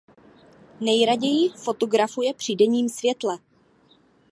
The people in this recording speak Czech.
Nejraději fotografuje při denním světle.